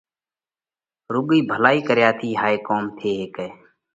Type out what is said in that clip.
رُوڳئِي ڀلائِي ڪريا ٿِي هائي ڪوم ٿي هيڪئه۔